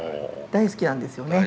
大好きなんですよね。